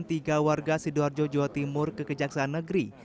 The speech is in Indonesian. tiga warga sidoarjo jawa timur ke kejaksaan negeri